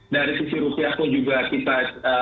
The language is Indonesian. dari sisi rupiah pun juga kita